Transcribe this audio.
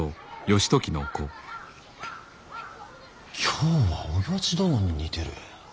今日はおやじ殿に似てる。